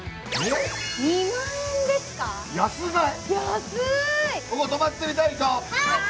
２万円ですか、安い！